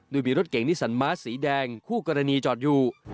โดยมีรถเก่งนิสันมาสสีแดงคู่กรณีจอดอยู่